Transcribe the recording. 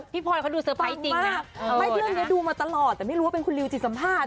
พลอยเขาดูเตอร์ไพรส์จริงนะไม่เรื่องนี้ดูมาตลอดแต่ไม่รู้ว่าเป็นคุณลิวจิตสัมภาษณ